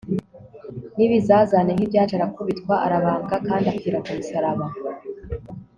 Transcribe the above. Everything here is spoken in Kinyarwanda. n'ibizazane nk'ibyacu, arakubitwa, arabambwa kandi apfira ku musaraba